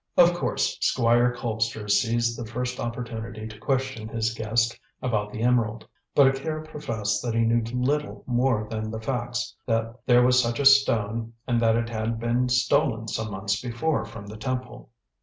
Of course, Squire Colpster seized the first opportunity to question his guest about the emerald. But Akira professed that he knew little more than the facts that there was such a stone and that it had been stolen some months before from the temple.